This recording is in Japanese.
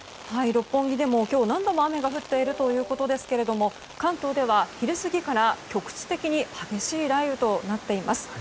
六本木でも何度も雨が降っているということですが関東では昼過ぎから局地的に激しい雷雨となっています。